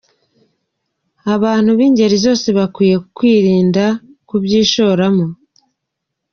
Abantu b’ingeri zose bakwiriye kwirinda kubyishoramo.